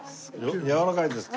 やわらかいですか？